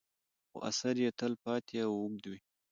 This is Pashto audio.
خو اثر یې تل پاتې او اوږد وي.